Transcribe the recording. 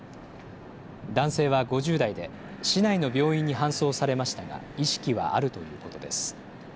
男性は５０代で市内の病院に搬送されましたが意識はあるということです。